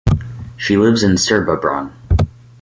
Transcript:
She lives in Srbobran.